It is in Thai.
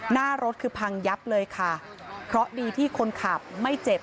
หน้ารถคือพังยับเลยค่ะเพราะดีที่คนขับไม่เจ็บ